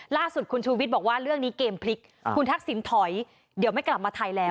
ล่าสุดคุณชูวิทย์บอกว่าเรื่องนี้เกมพลิกคุณทักษิณถอยเดี๋ยวไม่กลับมาไทยแล้ว